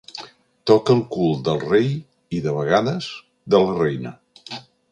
Toca el cul del rei i, de vegades, de la reina.